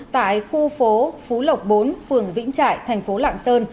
tại khu phố phú lộc bốn phường vĩnh trại tp lạng sơn